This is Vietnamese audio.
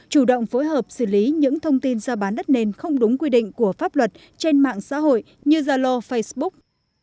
chủ động phối hợp xử lý những thông tin ra bán đất nền không đúng quy định của pháp luật trên mạng xã hội như zalo facebook